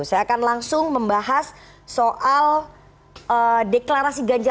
saya akan langsung membahas soal deklarasi ganjar